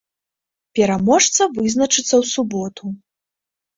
Пераможца вызначыцца ў суботу.